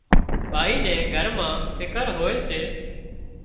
ڀائي نين گھر مان فڪر هوئي سي